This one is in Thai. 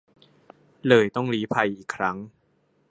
เลยต้องลี้ภัยอีกครั้ง